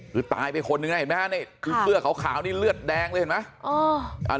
คือตายไปคนนึงนะเห็นไหมฮะนี่คือเสื้อขาวนี่เลือดแดงเลยเห็นไหม